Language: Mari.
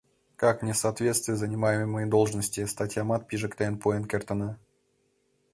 «Как несоответствие занимаемой должности» статьямат пижыктен пуэн кертына.